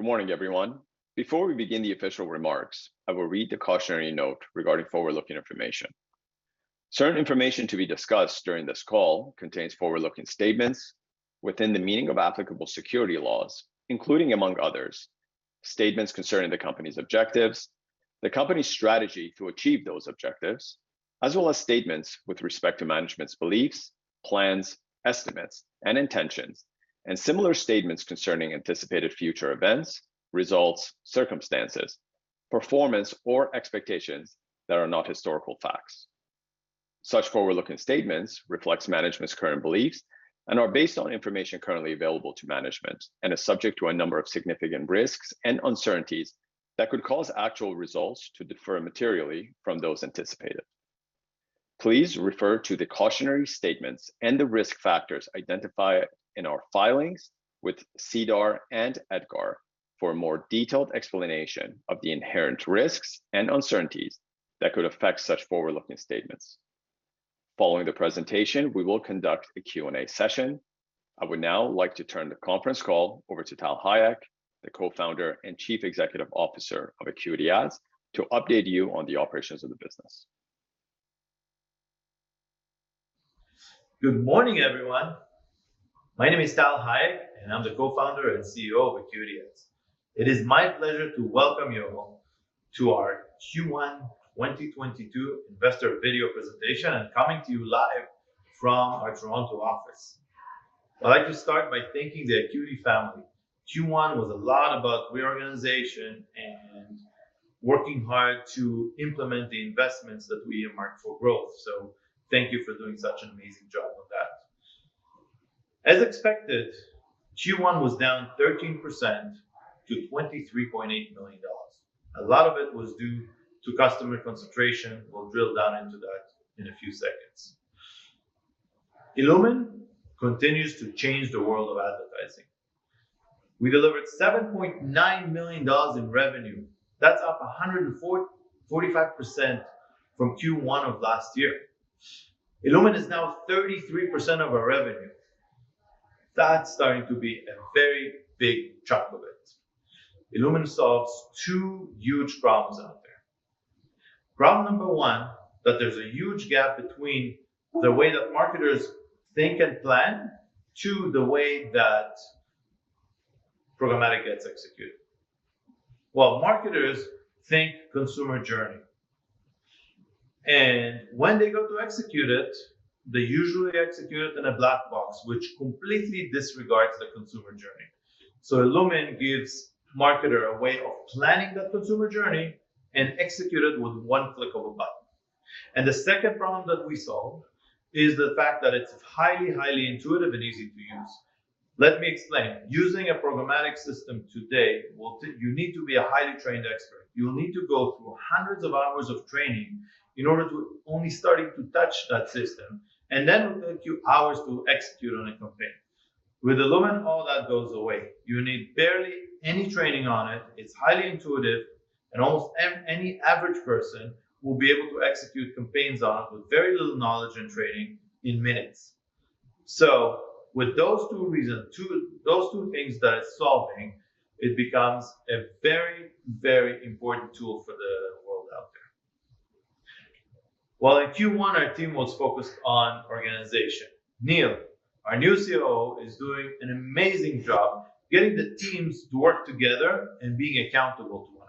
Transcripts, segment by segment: Good morning, everyone. Before we begin the official remarks, I will read the cautionary note regarding forward-looking information. Certain information to be discussed during this call contains forward-looking statements within the meaning of applicable securities laws, including, among others, statements concerning the company's objectives, the company's strategy to achieve those objectives, as well as statements with respect to management's beliefs, plans, estimates, and intentions, and similar statements concerning anticipated future events, results, circumstances, performance, or expectations that are not historical facts. Such forward-looking statements reflects management's current beliefs and are based on information currently available to management and are subject to a number of significant risks and uncertainties that could cause actual results to differ materially from those anticipated. Please refer to the cautionary statements and the risk factors identified in our filings with SEDAR and EDGAR for a more detailed explanation of the inherent risks and uncertainties that could affect such forward-looking statements. Following the presentation, we will conduct a Q&A session. I would now like to turn the conference call over to Tal Hayek, the Co-Founder and Chief Executive Officer of AcuityAds, to update you on the operations of the business. Good morning, everyone. My name is Tal Hayek, and I'm the Co-Founder and CEO of AcuityAds. It is my pleasure to welcome you all to our Q1 2022 investor video presentation. I'm coming to you live from our Toronto office. I'd like to start by thanking the Acuity family. Q1 was a lot about reorganization and working hard to implement the investments that we earmarked for growth. Thank you for doing such an amazing job with that. As expected, Q1 was down 13% to 23.8 million dollars. A lot of it was due to customer concentration. We'll drill down into that in a few seconds. illumin continues to change the world of advertising. We delivered 7.9 million dollars in revenue. That's up 145% from Q1 of last year. illumin is now 33% of our revenue. That's starting to be a very big chunk of it. illumin solves two huge problems out there. Problem number one, that there's a huge gap between the way that marketers think and plan to the way that programmatic gets executed. Well, marketers think consumer journey, and when they go to execute it, they usually execute it in a black box, which completely disregards the consumer journey. illumin gives marketer a way of planning that consumer journey and execute it with one click of a button. The second problem that we solve is the fact that it's highly intuitive and easy to use. Let me explain. Using a programmatic system today you need to be a highly trained expert. You'll need to go through hundreds of hours of training in order to even start to touch that system, and then it will take you hours to execute on a campaign. With illumin, all that goes away. You need barely any training on it. It's highly intuitive, and any average person will be able to execute campaigns on with very little knowledge and training in minutes. With those two reasons, those two things that it's solving, it becomes a very, very important tool for the world out there. Well, in Q1, our team was focused on organization. Neil, our new COO, is doing an amazing job getting the teams to work together and being accountable to one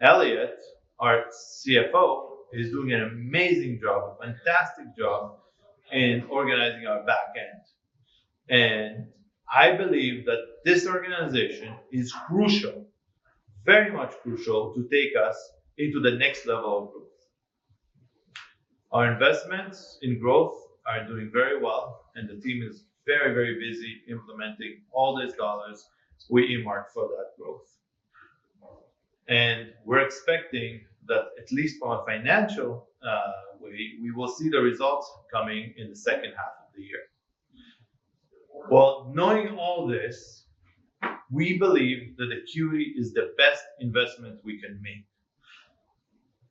another. Elliot, our CFO, is doing an amazing job, a fantastic job in organizing our back end. I believe that this organization is crucial, very much crucial, to take us into the next level of growth. Our investments in growth are doing very well, and the team is very, very busy implementing all these dollars we earmarked for that growth. We're expecting that at least on a financial way, we will see the results coming in the second half of the year. Well, knowing all this, we believe that Acuity is the best investment we can make,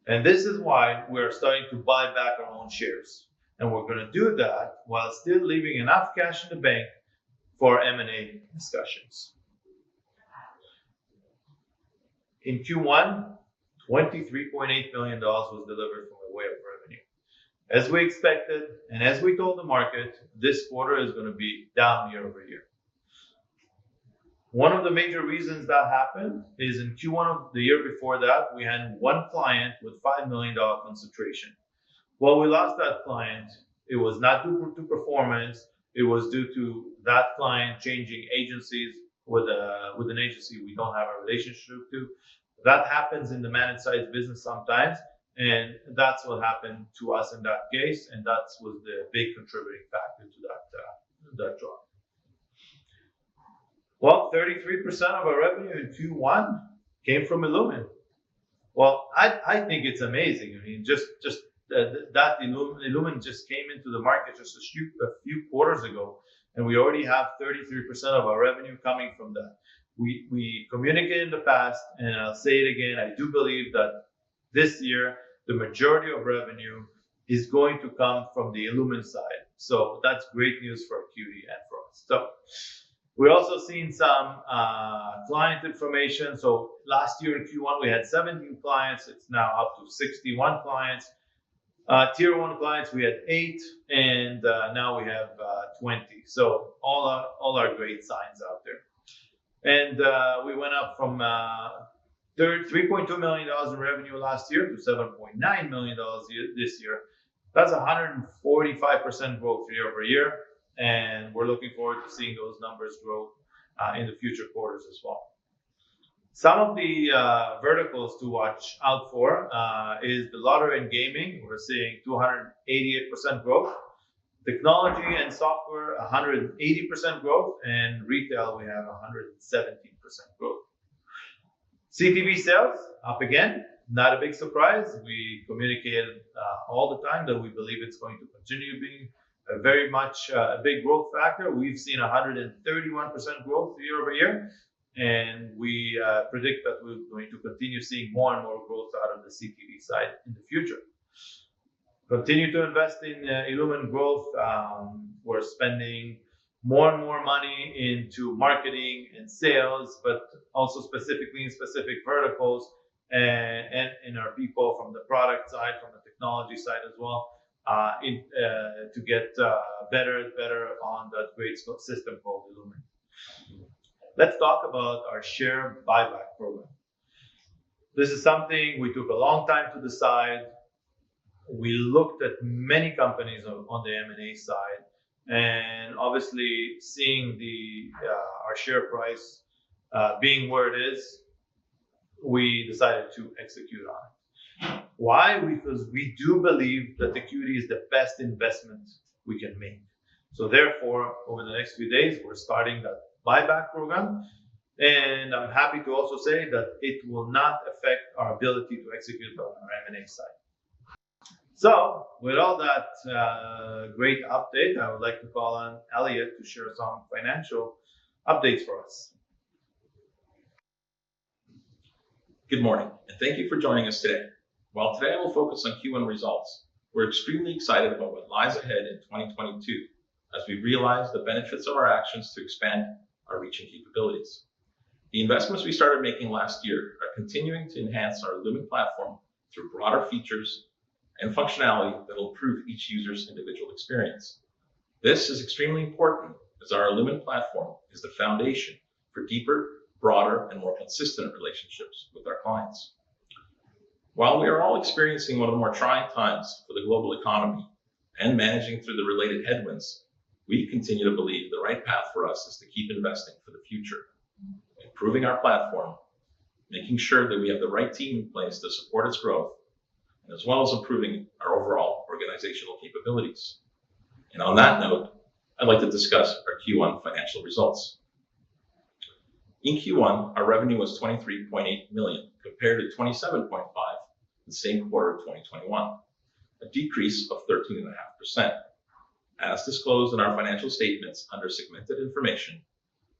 and this is why we're starting to buy back our own shares. We're gonna do that while still leaving enough cash in the bank for M&A discussions. In Q1, 23.8 million dollars was delivered from the way of revenue. As we expected and as we told the market, this quarter is gonna be down year-over-year. One of the major reasons that happened is in Q1 of the year before that, we had one client with 5 million dollar concentration. Well, we lost that client. It was not due to performance. It was due to that client changing agencies with an agency we don't have a relationship to. That happens in the managed services business sometimes, and that's what happened to us in that case, and that was the big contributing factor to that drop. Well, 33% of our revenue in Q1 came from illumin. Well, I think it's amazing. I mean, just that illumin just came into the market just a few quarters ago, and we already have 33% of our revenue coming from that. We communicated in the past, and I'll say it again, I do believe that this year, the majority of revenue is going to come from the illumin side. That's great news for Acuity and for us. We're also seeing some client information. Last year in Q1, we had 17 clients. It's now up to 61 clients. Tier 1 clients, we had eight, and now we have 20. All are great signs out there. We went up from 3.2 million dollars in revenue last year to 7.9 million dollars this year. That's 145% growth year-over-year, and we're looking forward to seeing those numbers grow in the future quarters as well. Some of the verticals to watch out for is the lottery and gaming. We're seeing 288% growth. Technology and software, 180% growth. In retail, we have 117% growth. CTV sales, up again, not a big surprise. We communicate all the time that we believe it's going to continue being a very much a big growth factor. We've seen 131% growth year over year, and we predict that we're going to continue seeing more and more growth out of the CTV side in the future. Continue to invest in illumin growth. We're spending more and more money into marketing and sales, but also specifically in specific verticals and in our people from the product side, from the technology side as well, to get better and better on that great system called illumin. Let's talk about our share buyback program. This is something we took a long time to decide. We looked at many companies on the M&A side, and obviously seeing our share price being where it is, we decided to execute on it. Why? Because we do believe that Acuity is the best investment we can make. Therefore, over the next few days, we're starting that buyback program, and I'm happy to also say that it will not affect our ability to execute on our M&A side. With all that, great update, I would like to call on Elliot to share some financial updates for us. Good morning, and thank you for joining us today. While today I will focus on Q1 results, we're extremely excited about what lies ahead in 2022 as we realize the benefits of our actions to expand our reach and capabilities. The investments we started making last year are continuing to enhance our illumin platform through broader features and functionality that will improve each user's individual experience. This is extremely important as our illumin platform is the foundation for deeper, broader, and more consistent relationships with our clients. While we are all experiencing one of the more trying times for the global economy and managing through the related headwinds, we continue to believe the right path for us is to keep investing for the future, improving our platform, making sure that we have the right team in place to support its growth, as well as improving our overall organizational capabilities. On that note, I'd like to discuss our Q1 financial results. In Q1, our revenue was 23.8 million compared to 27.5 million the same quarter of 2021, a decrease of 13.5%. As disclosed in our financial statements under segmented information,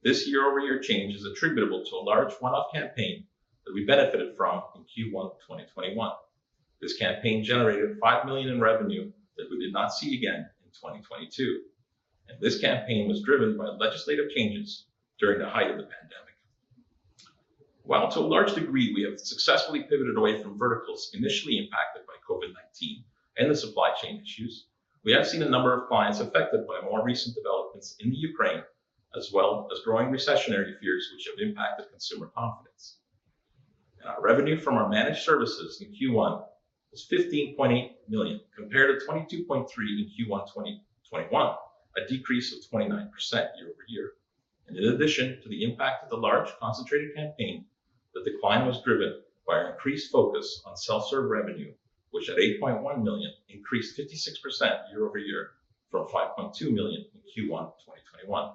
this year-over-year change is attributable to a large one-off campaign that we benefited from in Q1 2021. This campaign generated 5 million in revenue that we did not see again in 2022. This campaign was driven by legislative changes during the height of the pandemic. While, to a large degree, we have successfully pivoted away from verticals initially impacted by COVID-19 and the supply chain issues, we have seen a number of clients affected by more recent developments in Ukraine, as well as growing recessionary fears which have impacted consumer confidence. Our revenue from our managed services in Q1 was 15.8 million compared to 22.3 million in Q1 2021, a decrease of 29% year-over-year. In addition to the impact of the large concentrated campaign, the decline was driven by an increased focus on self-serve revenue, which at 8.1 million increased 56% year-over-year from 5.2 million in Q1 2021.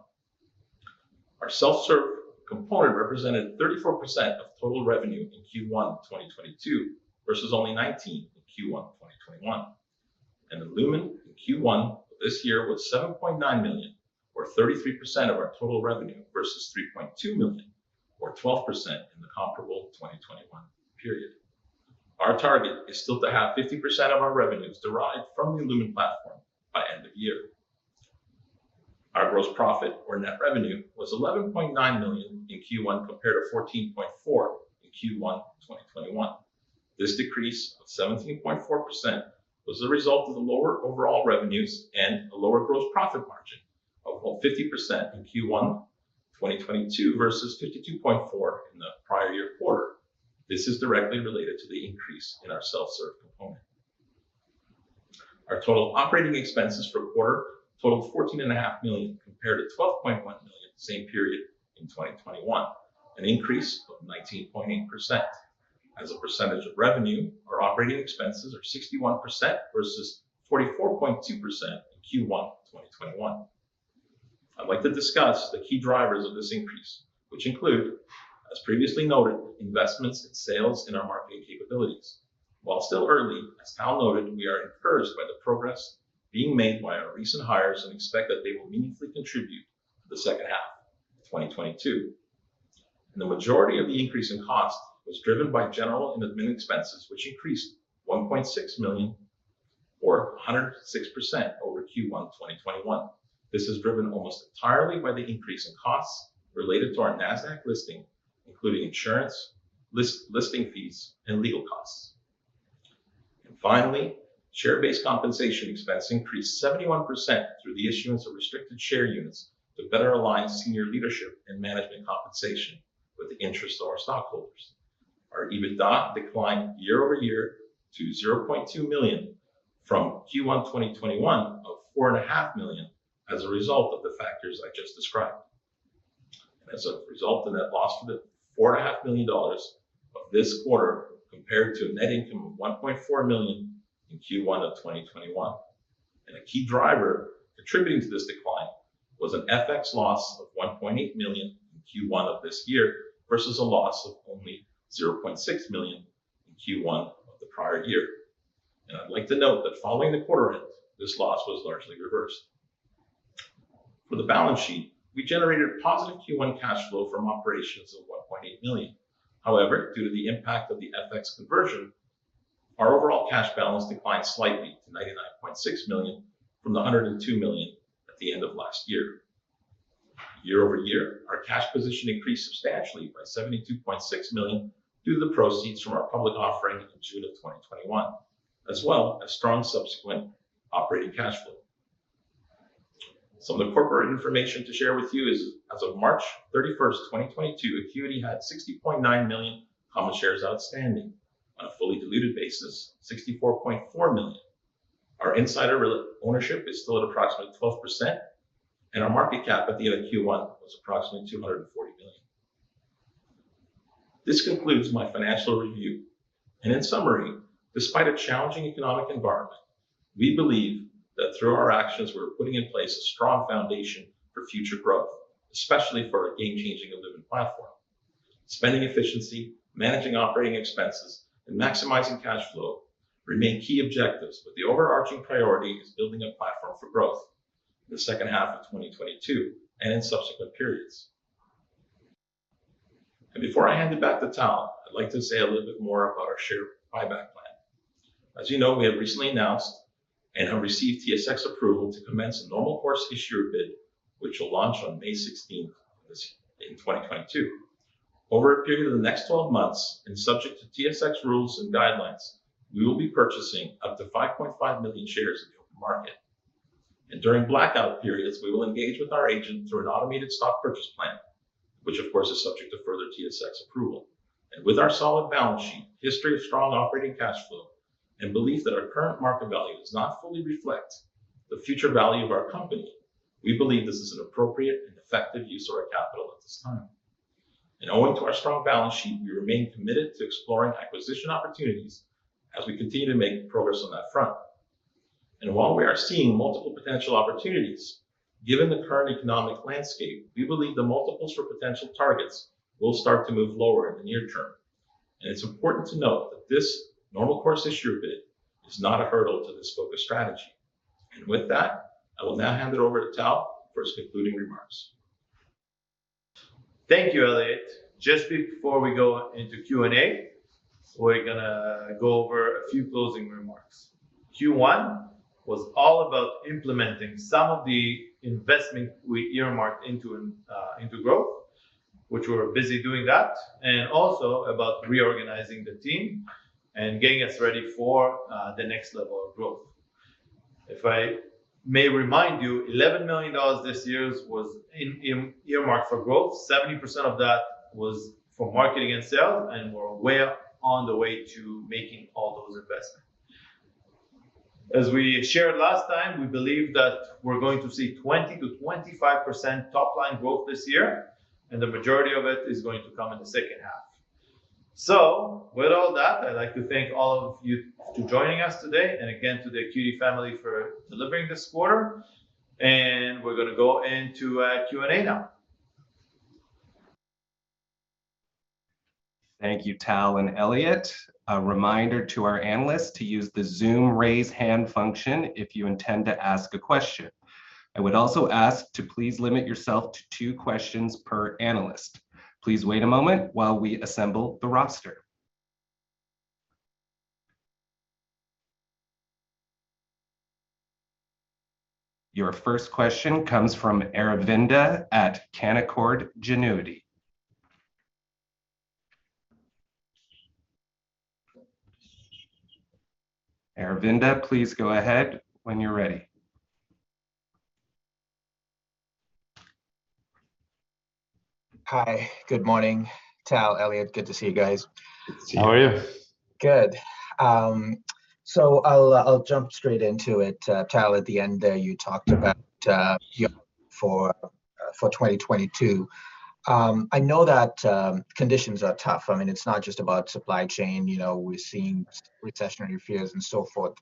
Our self-serve component represented 34% of total revenue in Q1 2022 versus only 19% in Q1 2021. illumin in Q1 this year was 7.9 million or 33% of our total revenue versus 3.2 million or 12% in the comparable 2021 period. Our target is still to have 50% of our revenues derived from the illumin platform by end of year. Our gross profit or net revenue was 11.9 million in Q1 compared to 14.4 million in Q1 2021. This decrease of 17.4% was the result of the lower overall revenues and a lower gross profit margin of, well, 50% in Q1 2022 versus 52.4% in the prior year quarter. This is directly related to the increase in our self-serve component. Our total operating expenses for the quarter totaled 14.5 million compared to 12.1 million the same period in 2021, an increase of 19.8%. As a percentage of revenue, our operating expenses are 61% versus 44.2% in Q1 2021. I'd like to discuss the key drivers of this increase, which include, as previously noted, investments in sales in our marketing capabilities. While still early, as Tal noted, we are encouraged by the progress being made by our recent hires and expect that they will meaningfully contribute to the second half of 2022. The majority of the increase in cost was driven by general and admin expenses, which increased 1.6 million or 106% over Q1 2021. This is driven almost entirely by the increase in costs related to our NASDAQ listing, including insurance, listing fees, and legal costs. Finally, share-based compensation expense increased 71% through the issuance of restricted share units to better align senior leadership and management compensation with the interest of our stockholders. Our EBITDA declined year-over-year to CAD 0.2 million from 4.5 million in Q1 2021 as a result of the factors I just described. As a result, a net loss of CAD 4.5 million in this quarter compared to a net income of 1.4 million in Q1 of 2021. A key driver contributing to this decline was an FX loss of 1.8 million in Q1 of this year versus a loss of only 0.6 million in Q1 of the prior year. I'd like to note that following the quarter end, this loss was largely reversed. For the balance sheet, we generated positive Q1 cash flow from operations of 1.8 million. However, due to the impact of the FX conversion, our overall cash balance declined slightly to 99.6 million from 102 million at the end of last year. Year over year, our cash position increased substantially by 72.6 million due to the proceeds from our public offering in June 2021, as well as strong subsequent operating cash flow. Some of the corporate information to share with you is, as of March 31st, 2022, AcuityAds had 60.9 million common shares outstanding. On a fully diluted basis, 64.4 million. Our insider ownership is still at approximately 12%, and our market cap at the end of Q1 was approximately 240 million. This concludes my financial review. In summary, despite a challenging economic environment, we believe that through our actions, we're putting in place a strong foundation for future growth, especially for our game-changing illumin platform. Spending efficiency, managing operating expenses, and maximizing cash flow remain key objectives, but the overarching priority is building a platform for growth in the second half of 2022 and in subsequent periods. Before I hand it back to Tal, I'd like to say a little bit more about our share buyback plan. As you know, we have recently announced and have received TSX approval to commence a normal course issuer bid, which will launch on May 16 of this year in 2022. Over a period of the next 12 months, and subject to TSX rules and guidelines, we will be purchasing up to 5.5 million shares in the open market. During blackout periods, we will engage with our agent through an automatic share purchase plan, which of course is subject to further TSX approval. With our solid balance sheet, history of strong operating cash flow, and belief that our current market value does not fully reflect the future value of our company, we believe this is an appropriate and effective use of our capital at this time. Owing to our strong balance sheet, we remain committed to exploring acquisition opportunities as we continue to make progress on that front. While we are seeing multiple potential opportunities, given the current economic landscape, we believe the multiples for potential targets will start to move lower in the near term. It's important to note that this normal course issuer bid is not a hurdle to this focused strategy. With that, I will now hand it over to Tal for his concluding remarks. Thank you, Elliot. Just before we go into Q&A, we're gonna go over a few closing remarks. Q1 was all about implementing some of the investment we earmarked into growth, which we're busy doing that, and also about reorganizing the team and getting us ready for the next level of growth. If I may remind you, 11 million dollars this year was earmarked for growth. 70% of that was for marketing and sales, and we're well on the way to making all those investments. As we shared last time, we believe that we're going to see 20%-25% top line growth this year, and the majority of it is going to come in the second half. With all that, I'd like to thank all of you for joining us today, and again to the Acuity family for delivering this quarter. We're gonna go into Q&A now. Thank you, Tal and Elliot. A reminder to our analysts to use the Zoom raise hand function if you intend to ask a question. I would also ask to please limit yourself to two questions per analyst. Please wait a moment while we assemble the roster. Your first question comes from Aravinda at Canaccord Genuity. Aravinda, please go ahead when you're ready. Hi, good morning Tal, Elliot. Good to see you guys. How are you? Good. I'll jump straight into it. Tal, at the end there, you talked about for 2022. I know that conditions are tough. I mean, it's not just about supply chain. You know, we're seeing recessionary fears and so forth.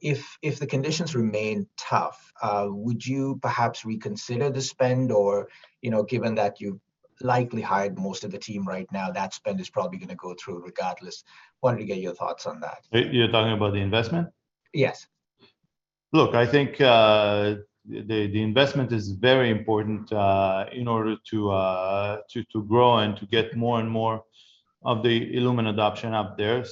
If the conditions remain tough, would you perhaps reconsider the spend or, you know, given that you've likely hired most of the team right now, that spend is probably gonna go through regardless? Wanted to get your thoughts on that. You're talking about the investment? Yes. Look, I think the investment is very important in order to grow and to get more and more of the illumin adoption up there.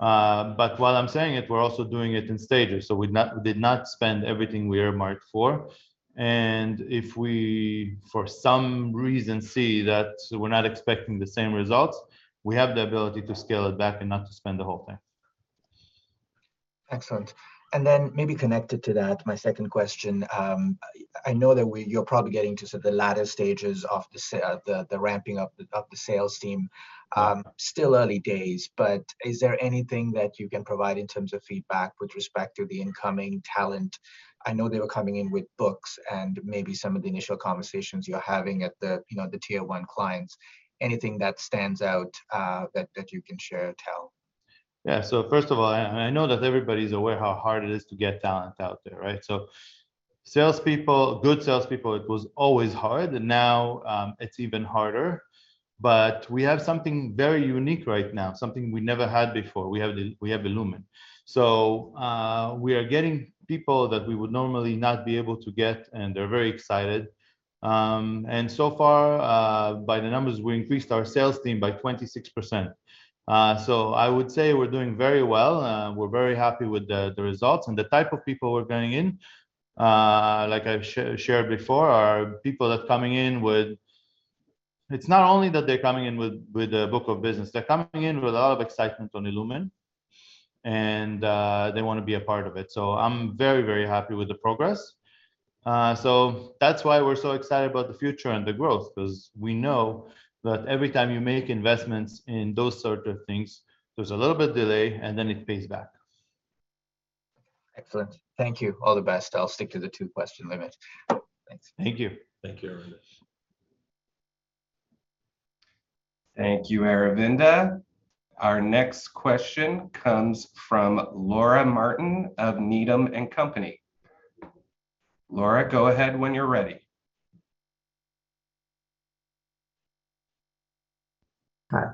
But while I'm saying it, we're also doing it in stages, so we did not spend everything we earmarked for. If we for some reason see that we're not expecting the same results, we have the ability to scale it back and not to spend the whole thing. Excellent. Maybe connected to that, my second question. I know that you're probably getting to sort of the latter stages of the ramping up the sales team. Still early days, but is there anything that you can provide in terms of feedback with respect to the incoming talent? I know they were coming in with books and maybe some of the initial conversations you're having at the, you know, the Tier 1 clients, anything that stands out, that you can share or tell? Yeah. First of all, I know that everybody's aware how hard it is to get talent out there, right? Salespeople, good salespeople, it was always hard, and now, it's even harder. We have something very unique right now, something we never had before. We have illumin. We are getting people that we would normally not be able to get, and they're very excited. So far, by the numbers, we increased our sales team by 26%. I would say we're doing very well, we're very happy with the results. The type of people who are going in, like I've shared before, are people that are coming in with- It's not only that they're coming in with a book of business, they're coming in with a lot of excitement on illumin and they wanna be a part of it. I'm very, very happy with the progress. That's why we're so excited about the future and the growth 'cause we know that every time you make investments in those sort of things, there's a little bit of delay and then it pays back. Excellent. Thank you. All the best. I'll stick to the two-question limit. Thanks. Thank you. Thank you. Thank you, Aravinda. Our next question comes from Laura Martin of Needham & Company. Laura, go ahead when you're ready. Hi.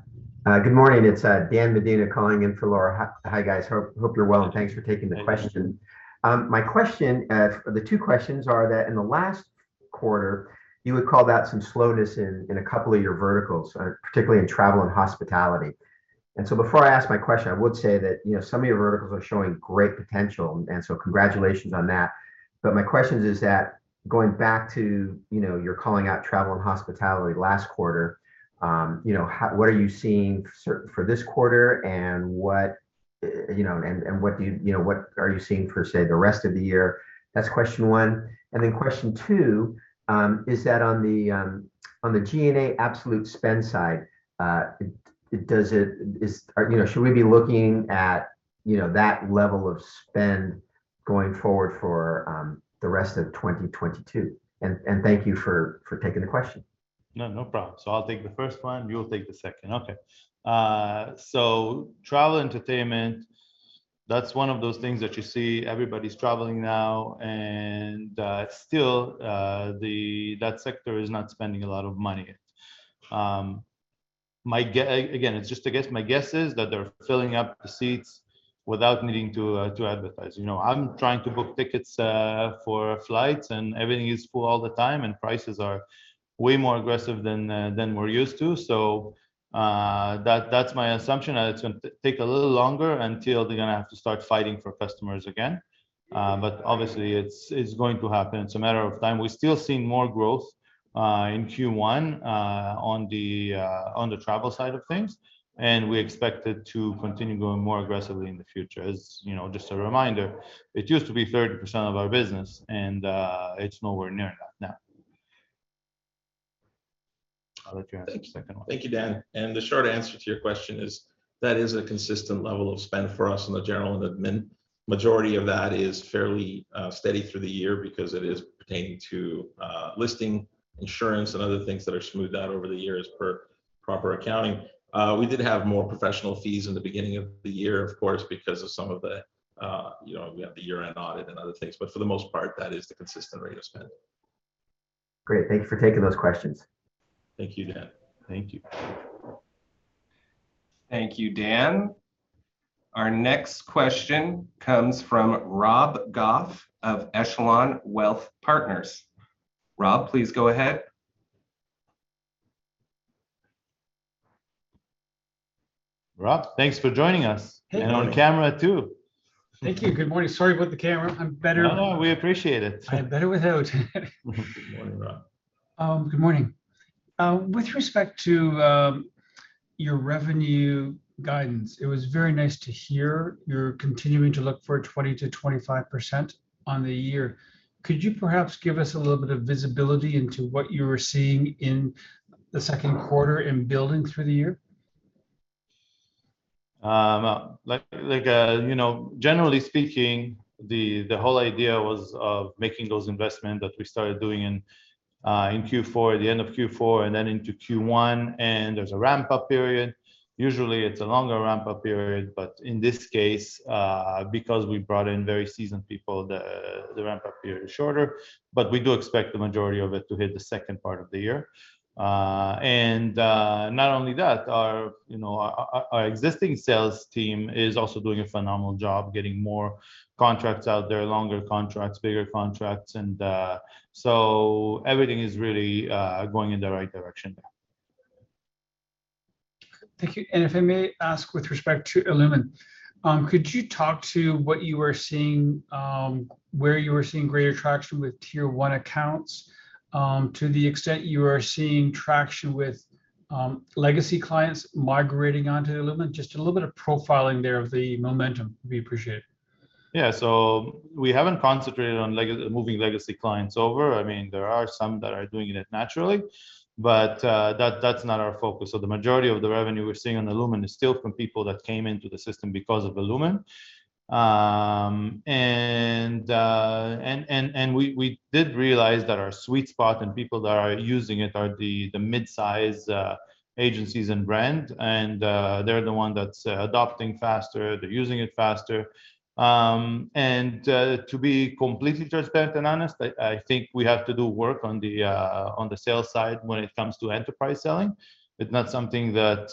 Good morning. It's Dan Medina calling in for Laura. Hi, guys, hope you're well, and thanks for taking the question. Thank you. My question or the two questions are that in the last quarter, you would call that some slowness in a couple of your verticals, particularly in travel and hospitality. Before I ask my question, I would say that, you know, some of your verticals are showing great potential, and so congratulations on that. But my question is, going back to, you know, your calling out travel and hospitality last quarter, you know, what are you seeing for this quarter and, you know, and what are you seeing for, say, the rest of the year? That's question one. Question two, is that on the G&A absolute spend side, you know, should we be looking at, you know, that level of spend going forward for the rest of 2022? Thank you for taking the question. No, no problem. I'll take the first one, you'll take the second. Okay. Travel, entertainment, that's one of those things that you see everybody's traveling now and still, that sector is not spending a lot of money. Again, it's just a guess. My guess is that they're filling up the seats without needing to advertise. You know, I'm trying to book tickets for flights and everything is full all the time and prices are way more aggressive than we're used to, that's my assumption and it's gonna take a little longer until they're gonna have to start fighting for customers again. Obviously, it's going to happen. It's a matter of time. We're still seeing more growth in Q1 on the travel side of things, and we expect it to continue going more aggressively in the future. As you know, just a reminder, it used to be 30% of our business, and it's nowhere near that now. I'll let you ask the second one. Thank you, Dan. The short answer to your question is that is a consistent level of spend for us in the general and admin. Majority of that is fairly steady through the year because it is pertaining to listing insurance and other things that are smoothed out over the years per proper accounting. We did have more professional fees in the beginning of the year, of course, because of some of the, you know, we have the year-end audit and other things. For the most part, that is the consistent rate of spend. Great. Thank you for taking those questions. Thank you, Dan. Thank you. Thank you, Dan. Our next question comes from Rob Goff of Echelon Wealth Partners. Rob, please go ahead. Rob, thanks for joining us. Hey, good On camera too. Thank you. Good morning. Sorry about the camera. I'm better. No, no, we appreciate it. I'm better without. Good morning, Rob. Good morning. With respect to your revenue guidance, it was very nice to hear you're continuing to look for 20%-25% on the year. Could you perhaps give us a little bit of visibility into what you were seeing in the second quarter in building through the year? Like you know, generally speaking, the whole idea was of making those investments that we started doing in Q4, the end of Q4, and then into Q1, and there's a ramp-up period. Usually, it's a longer ramp-up period, but in this case, because we brought in very seasoned people, the ramp-up period is shorter. We do expect the majority of it to hit the second part of the year. Not only that, you know, our existing sales team is also doing a phenomenal job getting more contracts out there, longer contracts, bigger contracts. Everything is really going in the right direction there. Thank you. If I may ask with respect to illumin, could you talk to what you are seeing, where you are seeing greater traction with Tier 1 accounts, to the extent you are seeing traction with, legacy clients migrating onto illumin? Just a little bit of profiling there of the momentum would be appreciated. Yeah. We haven't concentrated on moving legacy clients over. I mean, there are some that are doing it naturally, but that's not our focus. The majority of the revenue we're seeing on illumin is still from people that came into the system because of illumin. We did realize that our sweet spot and people that are using it are the mid-size agencies and brand. They're the one that's adopting faster, they're using it faster. To be completely transparent and honest, I think we have to do work on the sales side when it comes to enterprise selling. It's not something that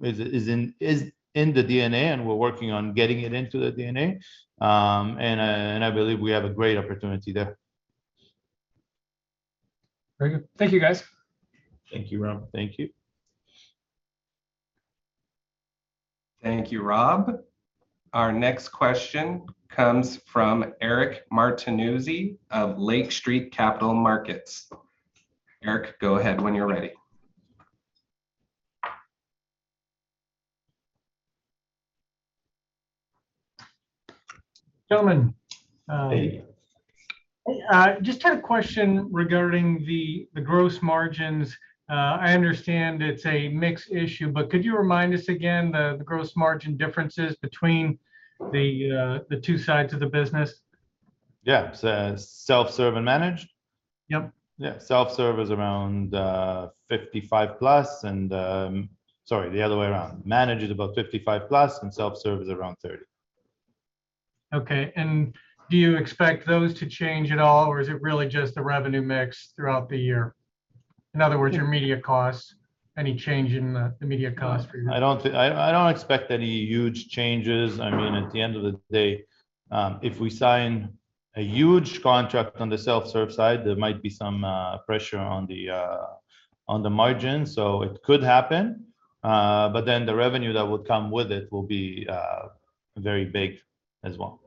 is in the DNA, and we're working on getting it into the DNA. I believe we have a great opportunity there. Very good. Thank you, guys. Thank you, Rob. Thank you. Thank you, Rob. Our next question comes from Eric Martinuzzi of Lake Street Capital Markets. Eric, go ahead when you're ready. Gentlemen. Hey. I just had a question regarding the gross margins. I understand it's a mixed issue, but could you remind us again the gross margin differences between the two sides of the business? Yeah. Self-serve and managed? Yep. Yeah. Self-serve is around 55%+. Sorry, the other way around. Managed is about 55%+, and self-serve is around 30%. Okay. Do you expect those to change at all, or is it really just the revenue mix throughout the year? In other words, your media costs, any change in the media cost for your- I don't expect any huge changes. I mean, at the end of the day, if we sign a huge contract on the self-serve side, there might be some pressure on the margin, so it could happen. Then the revenue that would come with it will be very big as well.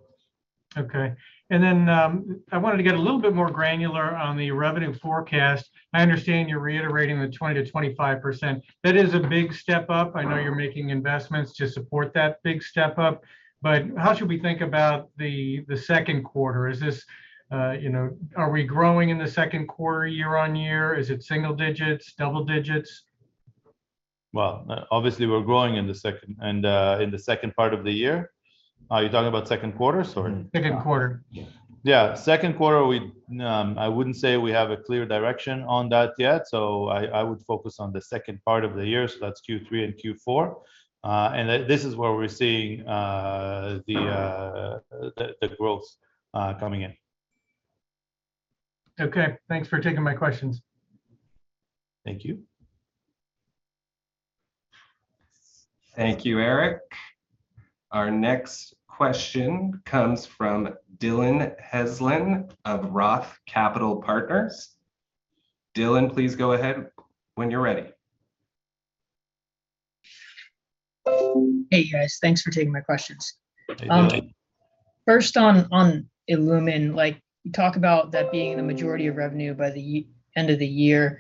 Okay. Then, I wanted to get a little bit more granular on the revenue forecast. I understand you're reiterating the 20%-25%. That is a big step up. I know you're making investments to support that big step up. How should we think about the second quarter? Is this, you know, are we growing in the second quarter year-over-year? Is it single-digits, double-digits? Well, obviously, we're growing in the second, and, in the second part of the year. Are you talking about second quarter? Sorry. Second quarter. Yeah. No, I wouldn't say we have a clear direction on that yet, so I would focus on the second part of the year, so that's Q3 and Q4. This is where we're seeing the growth coming in. Okay. Thanks for taking my questions. Thank you. Thank you, Eric. Our next question comes from Dillon Heslin of ROTH Capital Partners. Dillon, please go ahead when you're ready. Hey, guys. Thanks for taking my questions. Hey, Dillon. First on illumin, like, you talk about that being the majority of revenue by year-end.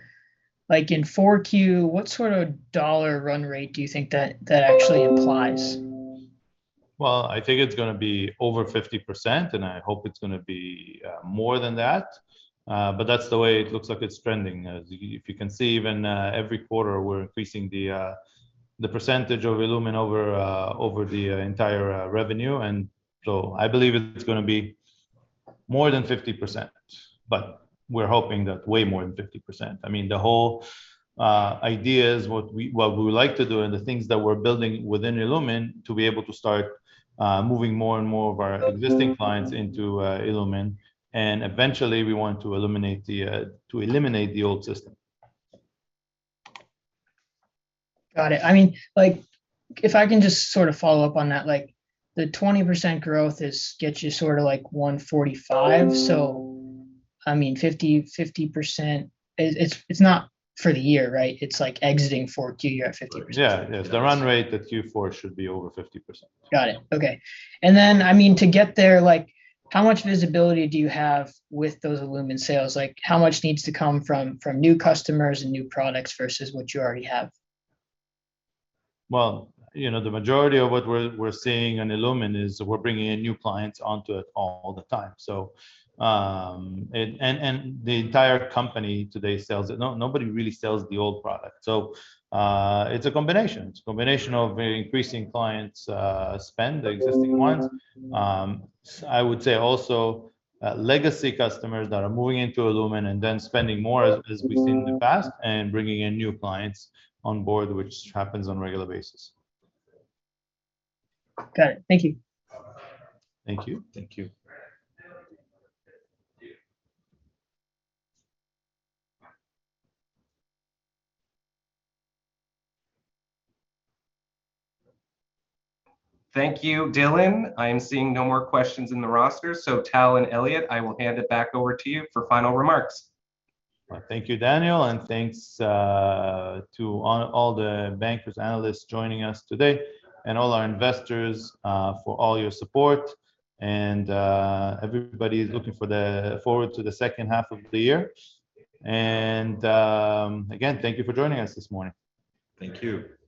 Like, in 4Q, what sort of dollar run rate do you think that actually implies? Well, I think it's gonna be over 50%, and I hope it's gonna be more than that. But that's the way it looks like it's trending. As you can see, even every quarter, we're increasing the percentage of illumin over the entire revenue. I believe it's gonna be more than 50%, but we're hoping that way more than 50%. I mean, the whole idea is what we would like to do and the things that we're building within illumin to be able to start moving more and more of our existing clients into illumin, and eventually we want to eliminate the old system. Got it. I mean, like, if I can just sort of follow-up on that, like, the 20% growth gets you sort of like 145%. I mean, 50%. It's not for the year, right? It's like exiting Q4, you're at 50%. Yeah. Yeah. The run rate at Q4 should be over 50%. Got it. Okay. Then, I mean, to get there, like, how much visibility do you have with those illumin sales? Like, how much needs to come from new customers and new products versus what you already have? Well, you know, the majority of what we're seeing in illumin is we're bringing in new clients onto it all the time. The entire company today sells it. Nobody really sells the old product. It's a combination. It's a combination of increasing clients' spend, the existing ones. I would say also legacy customers that are moving into illumin and then spending more as we've seen in the past and bringing in new clients on board, which happens on regular basis. Got it. Thank you. Thank you. Thank you. Thank you, Dillon. I am seeing no more questions in the roster. Tal and Elliot, I will hand it back over to you for final remarks. Thank you, Daniel, and thanks to all the bankers, analysts joining us today and all our investors for all your support. Everybody is looking forward to the second half of the year. Again, thank you for joining us this morning. Thank you.